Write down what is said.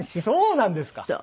そうなんですか。